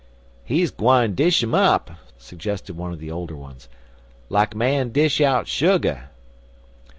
"He gwine dish em up," suggested one of the older ones, "like man dish out sugar.